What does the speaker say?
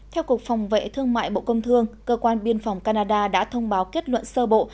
theo cục phòng vệ thương mại bộ công thương cơ quan biên phòng canada đã thông báo kết luận sơ bộ